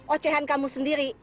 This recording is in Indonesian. ocehan kamu sendiri